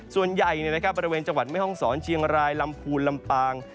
ส่วนใหญ่บริเวณจังหวัดแม่ห้องศรเชียงรายลำพูนลำปาง